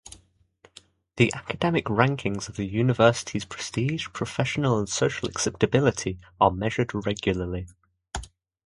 The academic rankings of the universities' prestige, professional and social acceptability are measured regularly.